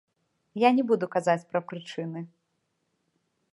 Я не буду казаць пра прычыны.